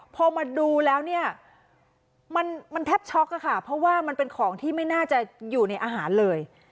พอมาดูแล้วเนี่ยมันแทบช็อกอะค่ะเพราะว่ามันเป็นของที่ไม่น่าจะอยู่ในอาหารเลย